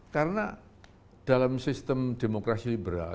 karena dalam sistem demokrasi liberal